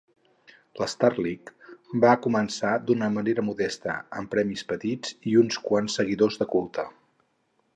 La Starleague va començar d'una manera modesta, amb premis petits i uns quants seguidors de culte.